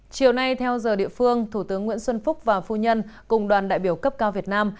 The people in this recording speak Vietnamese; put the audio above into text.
chiều nay theo giờ địa phương thủ tướng nguyễn xuân phúc và phu nhân cùng đoàn đại biểu cấp cao việt nam